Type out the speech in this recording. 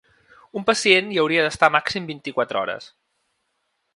Un pacient hi hauria d’estar màxim vint-i-quatre hores.